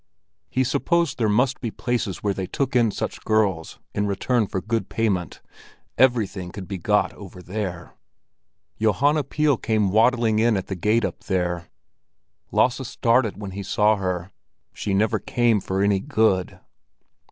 He supposed there must be places where they took in such girls in return for good payment; everything could be got over there! Johanna Pihl came waddling in at the gate up there. Lasse started when he saw her; she never came for any good.